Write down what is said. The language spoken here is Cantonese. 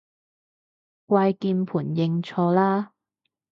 跪鍵盤認錯啦